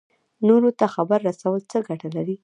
نورو ته خیر رسول څه ګټه لري؟